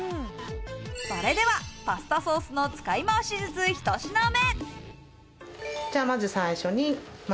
それでは、パスタソースの使いまわし術、１品目。